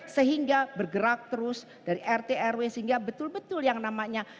sehingga bergerak terus dari rt rw sehingga betul betul yang namanya